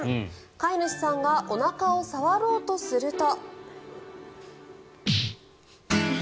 飼い主さんがおなかを触ろうとすると。